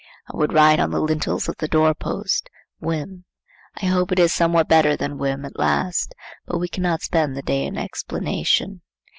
I would write on the lintels of the door post, Whim. I hope it is somewhat better than whim at last, but we cannot spend the day in explanation.